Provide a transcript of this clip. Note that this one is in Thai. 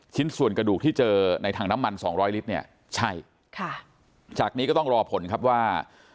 ส่วนกระดูกที่เจอในถังน้ำมันสองร้อยลิตรเนี่ยใช่ค่ะจากนี้ก็ต้องรอผลครับว่า